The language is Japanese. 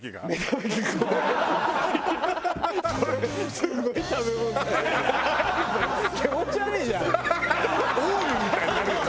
すごい食べ物だよ。